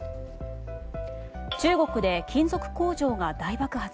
中国で金属工場が大爆発。